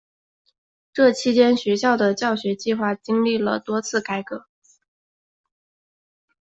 这期间学校的教学计划经历了多次改革。